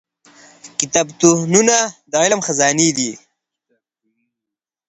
کتابتونونه د علم خزانې دي.